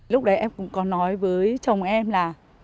lúc đấy em cũng có nói với chồng em là